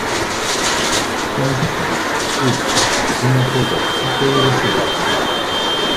¿ Quién es esta vez? Uh, yo no puedo no puedo decirlo.